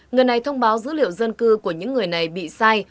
người này thông báo dữ liệu dân cư của những người này bị sai